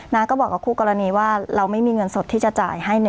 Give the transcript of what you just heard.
้าก็บอกกับคู่กรณีว่าเราไม่มีเงินสดที่จะจ่ายให้